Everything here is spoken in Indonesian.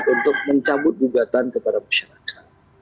untuk mencabut gugatan kepada masyarakat